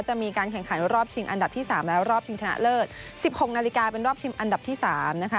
จะมีการแข่งขันรอบชิงอันดับที่๓แล้วรอบชิงชนะเลิศ๑๖นาฬิกาเป็นรอบชิงอันดับที่๓นะคะ